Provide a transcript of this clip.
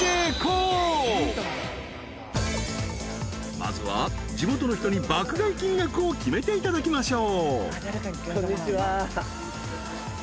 ［まずは地元の人に爆買い金額を決めていただきましょう］